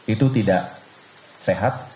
itu tidak sehat